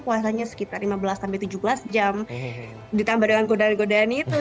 puasanya sekitar lima belas sampai tujuh belas jam ditambah dengan godaan godaan itu